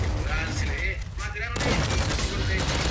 El departamento es fronterizo con Camerún y con la República del Congo.